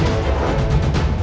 ini mah aneh